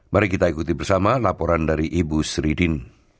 mari kita ikuti bersama laporan dari ibu sri din